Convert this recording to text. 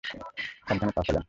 সাবধানে পা ফেলেন।